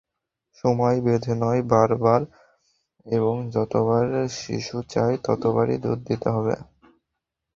সময় বেঁধে নয়, বারবার এবং যতবার শিশু চায়, ততবারই দুধ দিতে হবে।